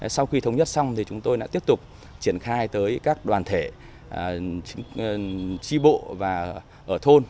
sau khi thống nhất xong thì chúng tôi đã tiếp tục triển khai tới các đoàn thể tri bộ và ở thôn